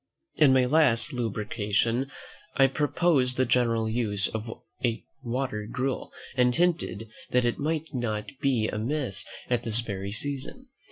In my last lucubration I proposed the general use of water gruel, and hinted that it might not be amiss at this very season.